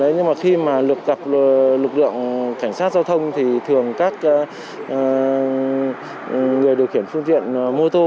nhưng mà khi mà được gặp lực lượng cảnh sát giao thông thì thường các người điều khiển phương tiện mô tô